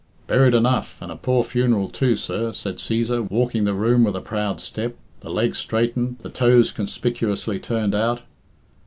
"Buried enough, and a poor funeral too, sir," said Cæsar, walking the room with a proud step, the legs straightened, the toes conspicuously turned out.